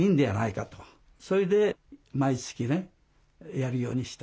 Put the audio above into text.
それで毎月ねやるようにした。